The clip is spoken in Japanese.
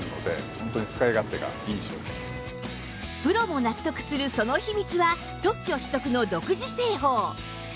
プロも納得するその秘密は特許取得の独自製法